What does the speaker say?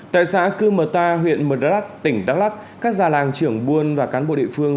tại xã cư mờ ta huyện mờ đắc tỉnh đắc lắc các gia làng trưởng buôn và cán bộ địa phương